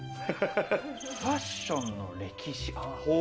『ファッションの歴史』。